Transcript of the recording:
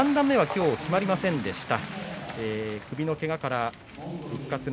三段目は今日決まりませんでした。